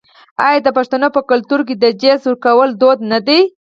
آیا د پښتنو په کلتور کې د جهیز ورکول دود نه دی؟